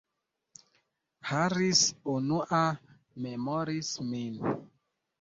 Harris, unua, memoris min.